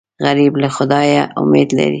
غریب له خدایه امید لري